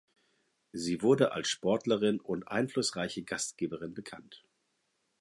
Sie wurde als Sportlerin und einflussreiche Gastgeberin bekannt.